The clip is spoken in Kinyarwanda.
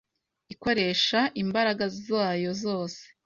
ikoresha imbaraga zayo zose